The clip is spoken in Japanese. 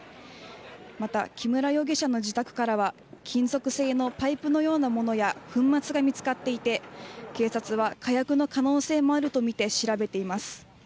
また木村容疑者の自宅からは、金属製のパイプのようなものや粉末が見つかっていて、警察は火薬の可能性もあると見て調べています。